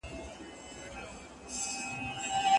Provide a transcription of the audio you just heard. هغې راته وویل چي نن ډېره خوشاله ده.